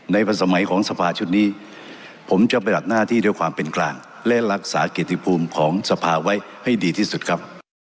สมัยของสภาชุดนี้ผมจะปฏิบัติหน้าที่ด้วยความเป็นกลางและรักษาเกียรติภูมิของสภาไว้ให้ดีที่สุดครับ